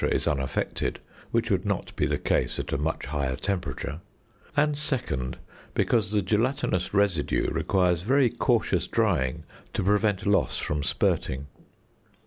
is unaffected, which would not be the case at a much higher temperature; and second, because the gelatinous residue requires very cautious drying to prevent loss from spirting.